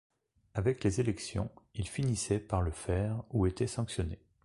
Avec les élections, ils finissaient par le faire ou étaient sanctionnés.